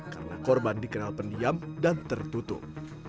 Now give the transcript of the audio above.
karena korban dikenal pendiam dan tertutup